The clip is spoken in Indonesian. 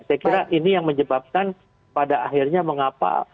saya kira ini yang menyebabkan pada akhirnya mengapa